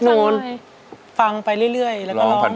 นอนฟังไปเรื่อยแล้วก็ร้อง